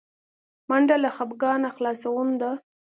منډه له خپګانه خلاصون ده